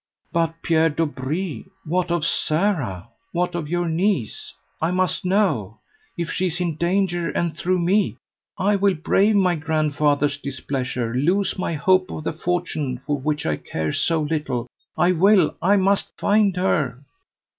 "But, Pierre Dobree, what of Sara? what of your niece? I must know. If she is in danger, and through me, I will brave my grandfather's displeasure, lose my hope of the fortune for which I care so little. I will, I must find her!"